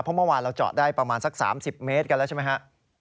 เมื่อวานเราเจาะได้ประมาณสักสามสิบเมตรกันแล้วใช่ไหมฮะ